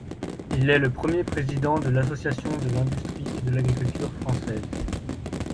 Il est le premier président de l'Association de l'industrie et de l'agriculture françaises.